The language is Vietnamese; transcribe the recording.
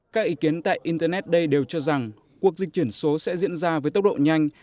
các ý kiến tại internet đây đều cho rằng cuộc dịch chuyển số sẽ diễn ra với tốc độ nhanh